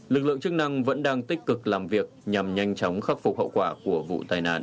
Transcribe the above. lực lượng chức năng vẫn đang tích cực làm việc nhằm nhanh chóng khắc phục hậu quả của vụ tai nạn